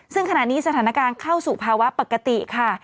ซึ่งขณะนี้สถานการณ์เข้าสู่ภาวะปกติค่ะ